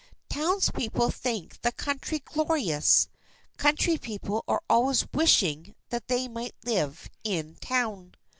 Town people think the country glorious; country people are always wishing that they might live in town.